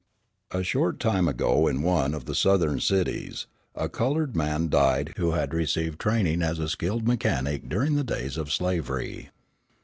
A short time ago, in one of the Southern cities, a coloured man died who had received training as a skilled mechanic during the days of slavery.